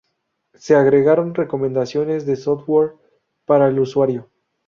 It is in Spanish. Se agregaron recomendaciones de software para el usuario.